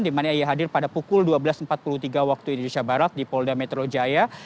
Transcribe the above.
di mana ia hadir pada pukul dua belas empat puluh tiga waktu indonesia barat di polda metro jaya